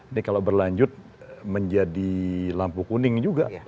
ini kalau berlanjut menjadi lampu kuning juga